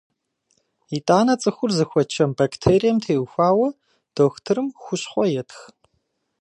Итӏанэ цӏыхур зыхуэчэм бактерием теухуауэ дохутырым хущхъуэ етх.